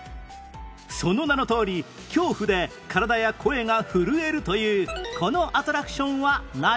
その名のとおり恐怖で体や声が震えるというこのアトラクションは何？